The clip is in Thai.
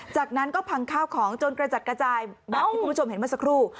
จากนั้นก็พังข้าวของจนกระจัดกระจายแบบที่คุณผู้ชมเห็นเมื่อสักครู่